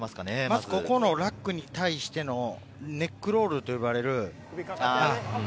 まずここのラックに対してのネックロール。